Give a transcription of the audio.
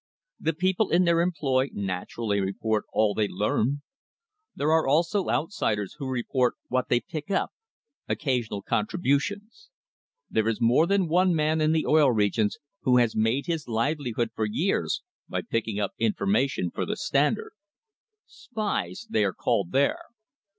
The people in their employ naturally report all they learn. There are also outsiders who report what they pick up "occasional contributions." There is more than one man in the Oil Regions who has made his livelihood for years by picking up information for the Stand ard. "Spies," they are called there.